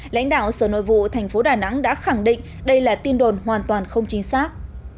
lãnh đạo sở nội vụ tp đà nẵng đã khẳng định đây là tin đồn hoàn toàn không chính xác